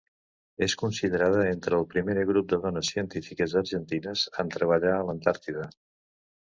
És considerada entre el primer grup de dones científiques argentines en treballar a l'Antàrtida.